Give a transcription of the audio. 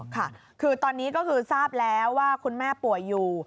ค่ะคือตอนนี้ก็คือทราบแล้วว่าคุณแม่ป่วยอยู่